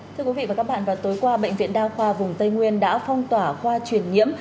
thưa quý vị và các bạn vào tối qua bệnh viện đa khoa vùng tây nguyên đã phong tỏa khoa truyền nhiễm